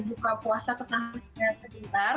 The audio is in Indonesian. di buka puasa setahun setahun sekitar